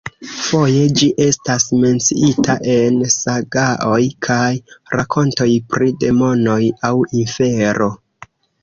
Foje ĝi estas menciita en sagaoj kaj rakontoj pri demonoj aŭ infero.